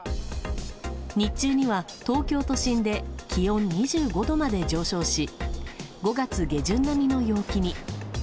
日中には東京都心で気温２５度まで上昇し５月下旬並みの陽気に。